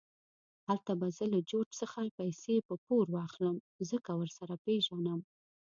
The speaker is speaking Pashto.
هلته به زه له جورج څخه پیسې په پور واخلم، ځکه ورسره پېژنم.